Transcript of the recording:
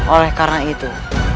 oleh karena itu